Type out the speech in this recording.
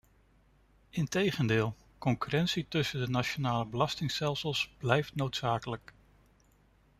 Integendeel, concurrentie tussen de nationale belastingstelsels blijft noodzakelijk.